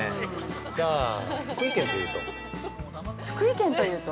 じゃあ、福井県というと？